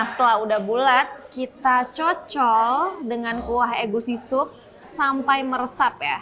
setelah udah bulat kita cocok dengan kuah egusi sup sampai meresap ya